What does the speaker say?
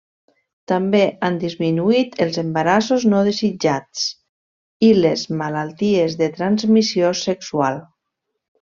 També han disminuït els embarassos no desitjats i les malalties de transmissió sexual.